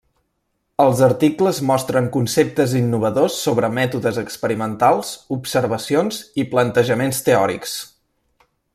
Els articles mostren conceptes innovadors sobre mètodes experimentals, observacions i plantejaments teòrics.